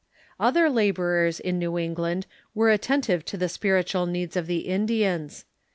Other laborers in New England were attentive to the spirit ual needs of the Indians.